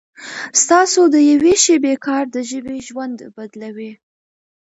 ستاسو د یوې شېبې کار د ژبې ژوند بدلوي.